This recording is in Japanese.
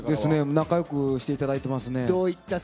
仲良くしていただいています。